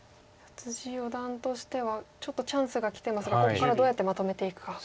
四段としてはちょっとチャンスがきてますがここからどうやってまとめていくか。